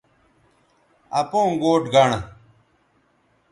اپوں گوٹھ گنڑ